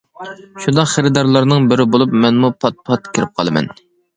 شۇنداق خېرىدارلارنىڭ بىرى بولۇپ مەنمۇ پات-پات كىرىپ قالىمەن.